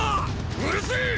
うるせェ！